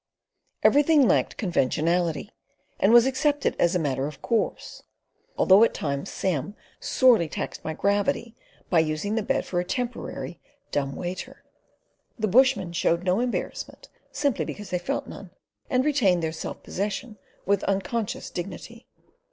Everything lacked conventionality, and was accepted as a matter of course; and although at times Sam sorely taxed my gravity by using the bed for a temporary dumb waiter, the bushmen showed no embarrassment, simply because they felt none, and retained their self possession with unconscious dignity.